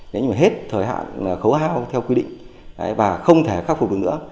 nếu như mà hết thời hạn khấu hao theo quy định và không thể khắc phục được nữa